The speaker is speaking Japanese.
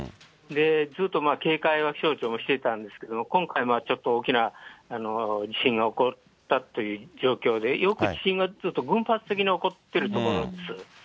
ずっと警戒は気象庁もしてたんですが、今回はちょっと大きな地震が起こったという状況で、よく地震が起きると群発的に起こってる所です。